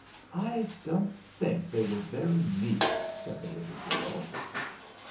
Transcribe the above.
"I don't think they were very neat," said the little girl.